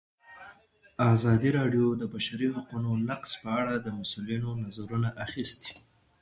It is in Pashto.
ازادي راډیو د د بشري حقونو نقض په اړه د مسؤلینو نظرونه اخیستي.